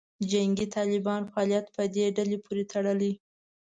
جنګي طالبانو فعالیت په دې ډلې پورې تړلې.